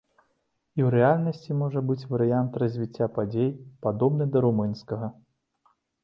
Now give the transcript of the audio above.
І ў рэальнасці можа быць варыянт развіцця падзей, падобны да румынскага.